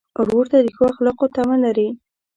ورور ته د ښو اخلاقو تمه لرې.